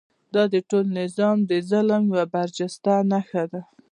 دا د ټول نظام د ظلم یوه برجسته نښه ده.